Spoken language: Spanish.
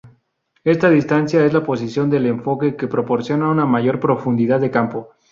Esta distancia es la posición del enfoque que proporciona una mayor profundidad de campo.